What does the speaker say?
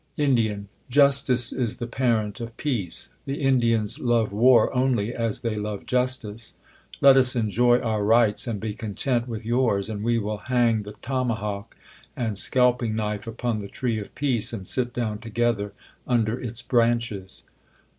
Indian. Justice is the parent of peace. The Indians love war only as they love justice. Let us enjoy our rights, and be content with yours, and we will hang the tomahawk and scalping knife upon the tree of peace, and sit down together under its branches.